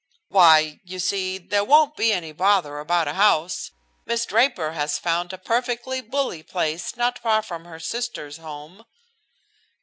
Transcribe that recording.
"Why, you see, there won't be any bother about a house. Miss Draper has found a perfectly bully place not far from her sister's home."